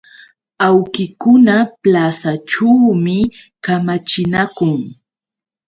Awkikuna plasaćhuumi kamachinakun.